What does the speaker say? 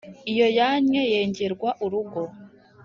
Iyo yannye yengerwa urugo,